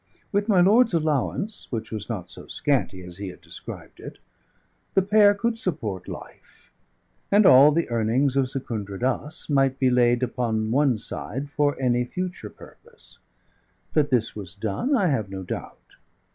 With my lord's allowance, which was not so scanty as he had described it, the pair could support life; and all the earnings of Secundra Dass might be laid upon one side for any future purpose. That this was done, I have no doubt.